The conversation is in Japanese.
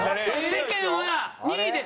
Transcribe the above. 世間は２位です。